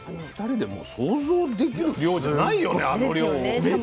２人でもう想像できる量じゃないよねあの量。